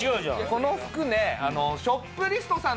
この服ね。